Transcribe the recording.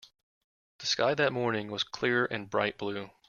The sky that morning was clear and bright blue.